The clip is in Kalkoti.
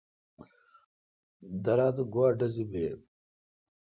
درا تہ گوا ڈزی بین؟